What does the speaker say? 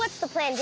で？